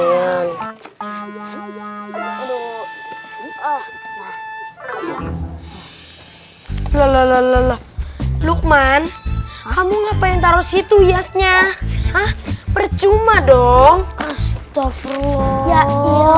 lalala lalala lukman kamu ngapain taruh situ iasnya percuma dong astaghfirullah ya iya